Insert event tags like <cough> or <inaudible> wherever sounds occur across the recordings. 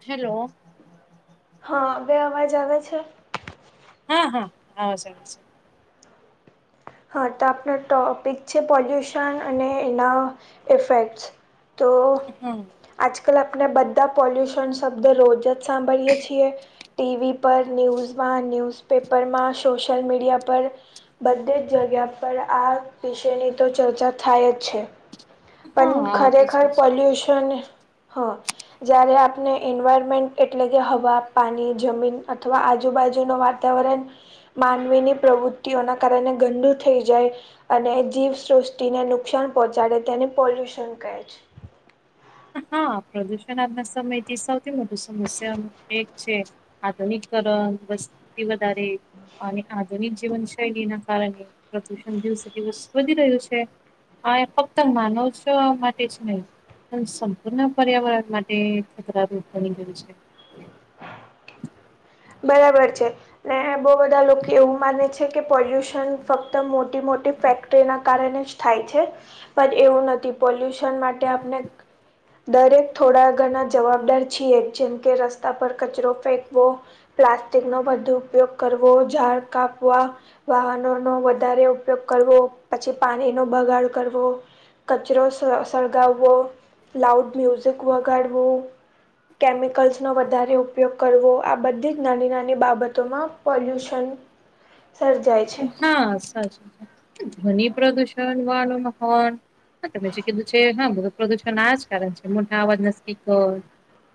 Hello. હા અવે અવાજ આવે છે? હા હા આવ જે આવે છે. હા તો આપણ ટૉપિક છે પોલ્યુશન અને એના ઇફેક્ટ્સ. તો. હમ. આજકાલ આપણે બધા પોલ્યુશન શબ્દ રોજ જ સાંભળીએ છીએ. ટીવી પર ન્યૂઝમાં ન્યૂઝપેપરમાં સોશિયલ મીડિયા પર બધે જ. જગ્યા પર આ વિષની તો ચર્ચા થાય જ છે. છે હા પણ હા આ તો ખરેખર છે જ પોલ્યુશન હા. જયારે આપને એન્વાયરમેન્ટ એટલે કે હવા પાણી જમીન અથવા આજુબાજુ ન વાત. વાતાવરણ માનવીની પ્રવૃત્તિઓના કારણે ગંદુ થઈ જાય. અને જીવસૃષ્ટિને નુકસાન પહોંચાડે તેને પોલ્યુશન કહે છે. હા પ્રદુષણ આપજના સમયથી સૌથી મોટું સમસ્યા એક છે. આધુનિકકરણ વસ્તી વધારે. અને આધુનિક જીવનશૈલી ના કારણે પ્રદુષણ દિવસે દિવસ વધી રહ્યું છે. હા એ ફક્ત માનોવ છો આ માટે જ નહી. સંપૂર્ણ પર્યાવરણ માટે ખતરારૂપ બની ગયું છે. બરાબર છે ને બહુ બધા લોકો એવું માને છે. છે કે પોલ્યુશન ફક્ત મોટી મોટી ફેક્ટરીના કારણે જ થાય છે. પણ એવું નથી પોલ્યુશન માટે આપને. દરેક થોડા ઘરણા જવાબદાર છીએ જેમ કે રસ્તા પર કચરો ફેંકવો. પ્લાસ્ટિક નો બુ ઉપયોગ કરવો ઝાડ કાપવા. વાહનો નો વધારે ઉપયોગ કરવો પછી પાણી નો બગાડ કરવો. કચરો સળગાવવો લાઉડ મ્યુઝિક વગાડવું. કેમિકલ્સનો વધારે ઉપયોગ કરવો આ બધી જ. નાની નાની બાબતોમાં પોલ્યુશન સર્જાય. છે. હા સાચી ધ્વનિ પ્રદુષણ વાળુ હોન. હમે કીધું છે હ પ્રદૂષણ આ જ કારણ છે મોટા અવાજ ના સ્પિકર.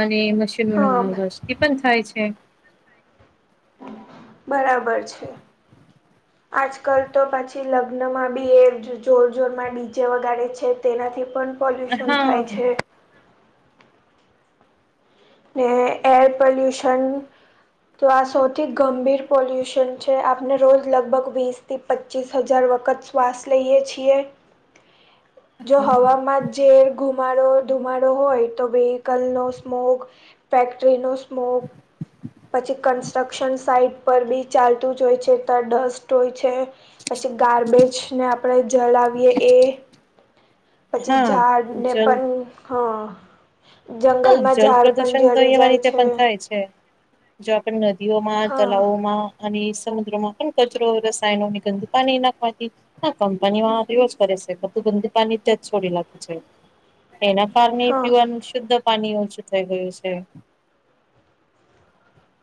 અને મશરૂમ હા, વસ્તી પણ થાય છે. બરાબર છે. આજકાલ તો પછી લગ્નમાં બી એ જોર જોરમાં ડીજે વગારે છે તેનાથી પણ. પોલ્યુશન થાય હા છે. ને એર પોલ્યુશન. તો આ સૌથી ગંભીર પોલ્યુશન છે આપને રોજ લગભગ વીસ. થી પચીસ હજાર વખત શ્વાસ લઈએ છીએ. જો હવામાં ઝેર ધુમાડો ધુમાડો હોય તો વેહકલ નો સ્મોક. ફેક્ટરીનો સ્મોક. પછી કન્સ્ટ્રક્શન સાઈટ પર બી ચાલતું જ હોય છે ત્યાં ડસ્ટ હોય છે. પછી ગાર્બેજ ને આપ. આપણે જળાવએ એ પછી હા ઝાડ ને જલ પણ. હા જંગલમાં ઝાડ. પણ પ્રૂષણ તો જડી એવા જાય રીતે છે પણ થાય છે જો આપણે નદીઓમાં હા તલાવોમાં. અને સમુદ્રમાં પણ કચરો રસાયણ ગંદુ પાણી નાખવાથી. ના કંપનીમાં તો જ કરે છે બધું ધંધી પાની તે જ છોડી નાખે છે. એના કારણે હા પીવાનું શુદ્ધ પાણી ઓછું થઈ ગયું છે.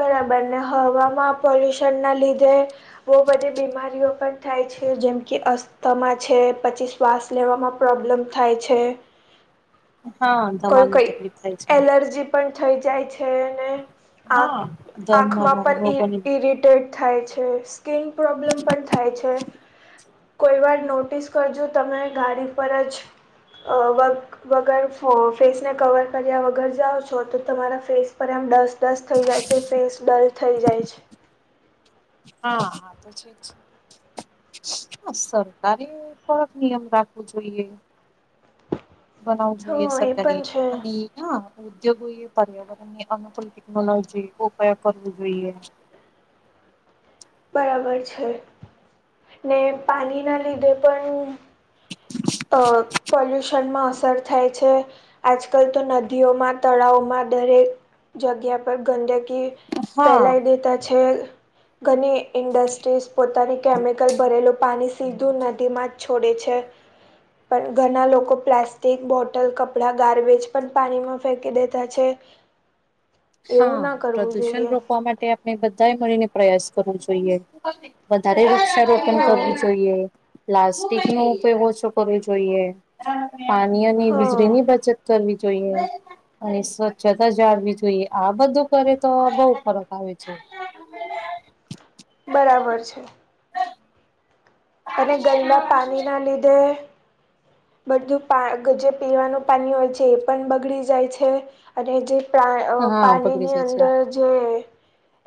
બરાબર ને હવામાં પોલ્યુશન ના લીધે. બહુ બધી બીમારીઓ પણ થાય છે જેમ કે અ. તમામ છે, પછી શ્વાસ લેવામાં તકલીફ થાય છે. હા કોઈ ધમાની કંઈ તકલીફ થાય છે એલર્જી પણ થઈ જાય છે. આખમાં ધમવાના રોગોની પણ ડેટ થાય છે, સ્કીન પ્રોબ્લેમ પણ થાય છે. કોઈ વાર નોટિસ કરજો તમે ગાડી પર અવર વગર ફેસ ને કવર કર્યા વગર જાઓ છો તો તમારા ફેસ પર એમ ડસ્ટ બ્લસ થઈ જાય છે ફેસ બલ થઈ જાય છે હા હા તો પછી હ સરકારે કક નિયમ રાખવો જોઈએ <unintelligible> બનાવવું જોઈએ હા એ સરકારે પણ છે અને હા, ઉદ્યોગો એ પર્યાવરણ અનુકૂ ટેકનોલોજી ઉપયોગ કરવો જોઈએ. બરાબર છે. ને પાણી ના લીધે પણ અ પલ્યુશનમાં અસર. થાય છે. આજકાલ તો નદીઓમાં, તળાવમાં દરેક જગ્યા પર ગંદકી હા ફેલાય દેતા છે. ઘણી ઇન્ડસ્ટ્રીઝ પોતાની કેમિકલ ભરેલું પાણી સીધું નદીમાં જ છોડે છે. પણ ઘણા લોકો પ્લાસ્ટિક, બોટલ, કપડા, ગાર્બેજ પણ પાણીમાં ફેંકી દેતા છે. <unintelligible> એવું હા, ના કરવું પ્રદુષણ જોઈએ રોકવા માટે મે બધા મળીને પ્રયાસ કરવો જોઈએ વધારે હ વૃક્ષારોપણ કરવું જોઈએ. પ્લાસ્ટિક નો ઉપયોગ ઓછો કરવો જોઈએ. પાણી હ અને વીજળી ની બચત કરવી જોઈએ. અને સ્વચ્છતા જાળવી જોઈએ. આ બધું કરે તો બહુ ફરક આવે છે. બરાબર છે. અને ગંદા પાણી ના લીધે બધું પાણી જે પીવાનું પાણી હોય છે, એ પણ બગડી જાય છે, અને જે હા પાણીની બગડી અંદર જાય જે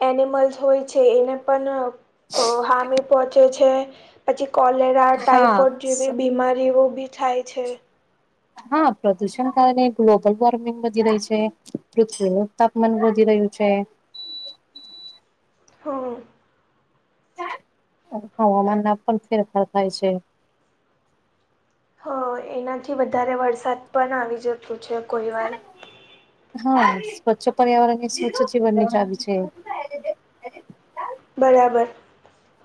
એનિમલ્સ હોય છે, એને પણ હામી પહોચે છે. છે. પછી કોલેરા છે હા ટાઈફોઈડ જેવી બીમારીઓ બી થાય છે. હા, પ્રદુષણ કારણે ગ્લોબલ વોર્મિંગ વધી રહી છે પૃથ્વીનું તાપમાન વધી રહ્યું છે. હા. હવામાન માં પણ ફેરફાર થાય છે. હ, એનાથી વધારે વરસાદ પણ આવી જતું છે કોઈ વાર. હા, સ્વચ્છ પર્યાવરણ ની સ્વચ્છ જીવન ની ચાવી છે. બરાબર.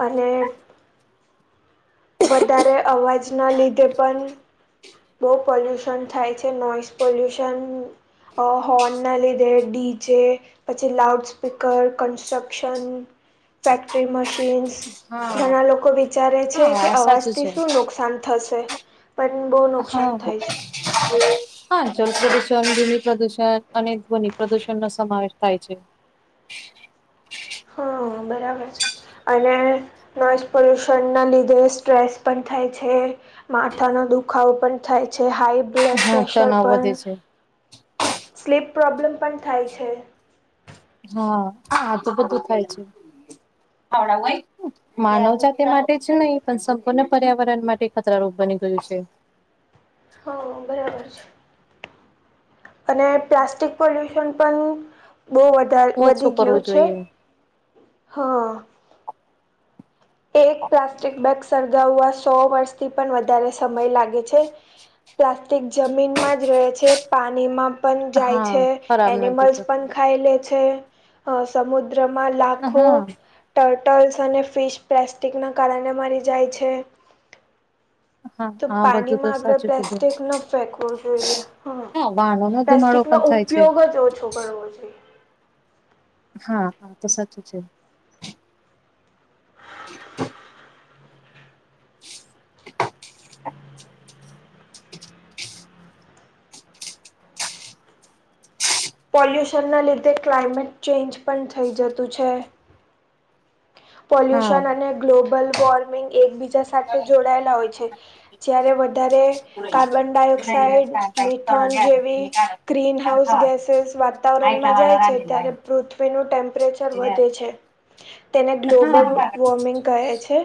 અને વધારે અવાજ ના લીધે પણ બહુ પોલ્યુશન થાય છે, નોઈસ પોલ્યુશન હ, હોનના લીધે ડીઝે પછી loud speaker, construction, factory, machines. હા ઘણા લોકો વિચારે છે હા કે અવાજ સાચું થી છે શું નુકસાન થશે, પણ હા. નુકસાન થાય છે હા, જલ પ્રદુષણ, ભૂમિ પ્રદુષણ અને ધ્વનિ પ્રદુષણ નો સમાવેશ થાય છે. <unintelligible> હા, બરાબર છે. અને નોઈઝ પોલ્યુશનના લીધે સ્ટ્રેસ પણ થાય છે. માથાનો દુખાવો પણ થાય છે, હાઈ બ્લડ હા પ્રેશર તણાવ પણ વધે છે સ્લીપ પ્રોબ્લેમ પણ થાય છે. હા, આ તો બધું થાય છે. માનવ જાતિ માટે જ નહીં, પણ સંપૂર્ણ પર્યાવરણ માટે ખતરારૂપ બની ગયું છે. હા બરાબર છે. અને પ્લાસ્ટિક પોલ્યુશન પણ બહુ વધ ઓછું વધી કરવું ગયું છે જોઈએ હા એક પ્લાસ્ટિક બેગ સળગાવવા સો વર્ષથી પણ વધારે સમય લાગે છે. પ્લાસ્ટિક જમીનમાં જ રહે છે, પાણીમાં પણ જાય હા છે. ખરાબ નથી એનિમલ્સ થતું પણ ખાઈ લે છે, સમુદ્ર સમદ્રમાં લાખો હા ટર્ટલ્સ અને ફિશ પ્લાસ્ટિકના કારણે મરી જાય છે. હા તો આ બધું પાણીમાં તો આપણે સાચું કીધું પ્લાસ્ટિક ન ફેકવો જોઈએ. હ, હા વાહનો નો ધુમાડો પ્લાસ્ટિક ન પણ ઉપ થાય છે ઉપયોગ તો ઓછો છે. હા, તો સાચું છે‌. <unintelligible> પોલ્યુશનના લીધે ક્લાઇમેટ ચેન્જ પણ થઈ જતું છે હા પોલ્યુશન અને ગ્લોબલ વોર્મિ એકબીજા સાથે જોડાયેલા હોય છે જ્યારે વધારે કાર્બન ડાયોક્સાઈડ મિથોન જેવી ગ્રીનહાઉસ ગેસ <unintelligible> વાતાવરણમાં જાય છે ત્યારે પૃથ્વીનું ટેમ્પ ટેમ્પરેચર વધે છે તેને ગ્લોબલ વોર્મિંગ કહે છે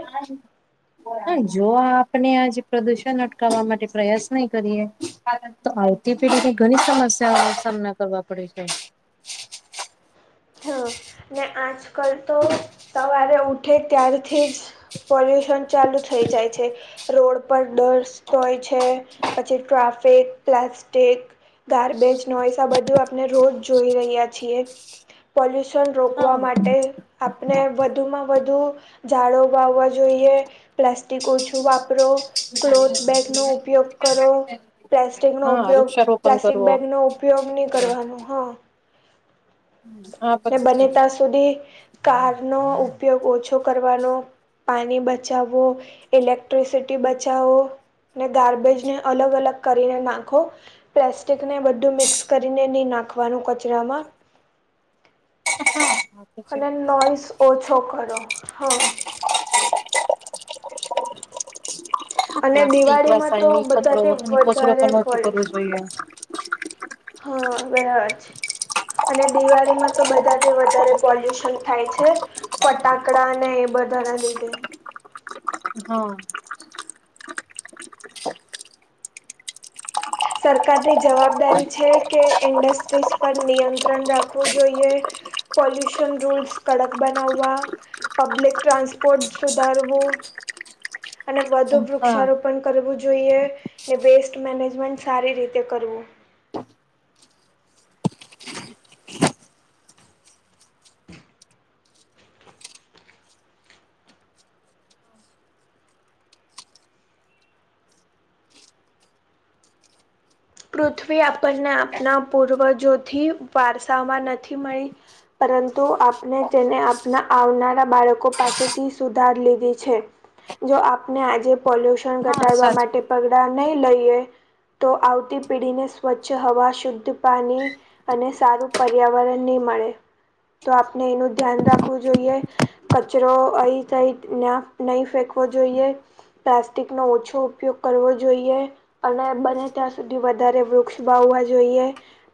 હ જો આપને આજે પ્રદુષણ અટકાવવા માટે પ્રયાસ નહી કરીએ તો આવતી પેઢી ની ઘણી સમસ્યાઓ ન સામના કરવા પડે છે હા ને આજકાલ તો સવારે ઉઠે ત્યારથી જ પોલ્યુશન ચાલુ થઈ જાય છે રોડ પર ડસ્ટ હોય છે પછી ટ્રાફિક પ્લાસ્ટિક ગાર્બેજ નોઇસ આ બધું આપણે રોજ જોઈ રહ્યા છીએ પોલ્યુશન રોકવા હા માટે આપણે વધુમાં વધુ ઝાડો વાવવા જોઈએ પ્લાસ્ટિક ઓછું વાપરો ક્લોથ બેગ નો ઉપયોગ કરો પ્લાસ્ટિક નો હા ઉપયોગ વૃક્ષારોપણ પ્લાસ્ટિક કરવો બેગનો ઉપયોગ નહીં કરવાનો હં હમ ને બને ત્યાં સુધી કાર નો ઉપયોગ ઓછો કરવાનો પાણી બચાવુ ઇલેક્ટ્રિસિટી બચાવો ને ગાર્બેજ ને અલગ અલગ કરીને નાખો પ્લાસ્ટિકને બધું મિક્સ કરીને નહીં નાખવાનું કચરામાં હા તો છે અને નોઈસ ઓછો કરો હા અને દિવાળીમાં તો એકલાસાાય કચરો બધાથી અને કચરો વધારે પણ નોકી પોલ્યુશ કરવું જોઈએ હા બરાબર છે અને દિવાળીમાં તો બધાથી વધારે પોલ્યુશન થાય છે ફટાકડા ને એ બધા ના લીધે હમ સરકારની જવાબદારી છે કે ઇન્ડસ્ટ્રીઝ પર નિયંત્રણ રાખવું જોઈએ પૉલ્યુશન રૂલસ કડક બનાવા પબ્લિક ટ્રાન્સપોર્ટ સુધારવું અને વધુ હા વૃક્ષારોપણ કરવું જોઈએ ને વેસ્ટ મેનેજમેન્ટ સારી રીતે કરવું પૃથ્વી આપણને આપના પૂર્વજોથી વારસા માં નથી મળી પરંતુ આપણે તેને આપણા આવનારા બાળકો પાસેથી સુધાર લીધી છે જો આપને આજે પોલ્યુશન હા ઘટાડવા સાચું માટે કીધું પગલાં નહીં લઈએ તો આવતી પીઢીને સ્વચ્છ હવા શુદ્ધ પાણી અને સારું પર્યાવરણ નહી મળે તો આપણે એનું ધ્યાન રાખવું જોઈએ કચરો અહી થઈ્યા નહી ફેંકવો જોઈએ પ્લાસ્ટિક નો ઓછો ઉપયોગ કરવો જોઈએ અને બને ત્યાં સુધી વધારે વૃક્ષ વાાવવા જોઈએ.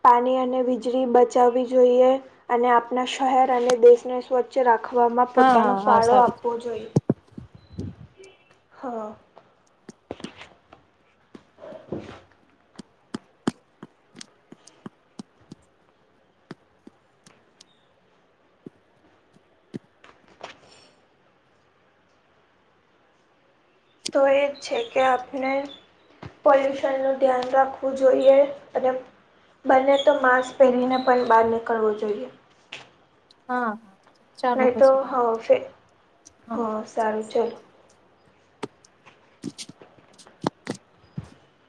પાણી અને વીજળી બચાવવી જોઈએ અને આપણા શહેર અને દેશને સ્વચ્છ ચ રાખવામાં હા પોતાનો હા હા ફાળો સારું છે આપવો જોઈએ હ. હ. તો એ જ છે કે આપણે પોલ્યુશન નું ધ્યાન રાખવું જોઈએ અને બંને તો માસ્ક પહેરીને પણ બહાર નીકળવું જોઈએ હા ચાલો નહી તો પછી હા ફે હ સારું ચાલશે. ચાલો